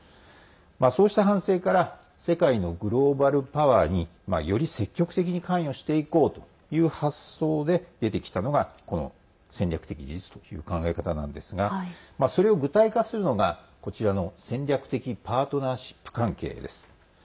そうした反省から世界のグローバルパワーにより積極的に関与していこうという発想で出てきたのがこの戦略的自立という考え方なんですがそれを具体化するのが戦略的パートナーシップ関係です。